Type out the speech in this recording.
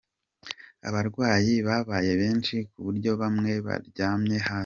Abarwayi babaye benshi ku buryo bamwe baryamye hasi.